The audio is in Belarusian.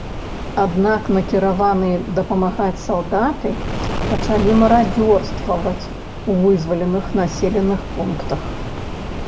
Аднак накіраваныя дапамагаць салдаты пачалі марадзёрстваваць ў вызваленых населеных пунктах.